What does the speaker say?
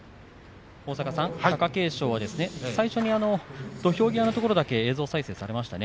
貴景勝は最初に土俵際のところだけ映像再生されましたね。